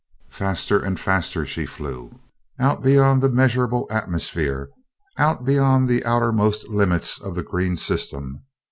Faster and faster she flew out beyond measurable atmosphere, out beyond the outermost limits of the green system.